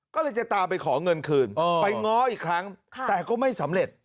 ก็เลยจะตามไปขอเงินคืนไปง้ออีกครั้งแต่ก็ไม่สำเร็จ